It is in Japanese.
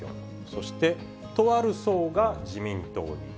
そしてとある層が自民党に。